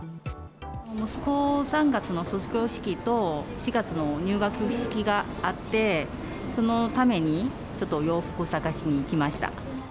息子、３月の卒業式と４月の入学式があって、そのためにちょっと洋服探しに来ました。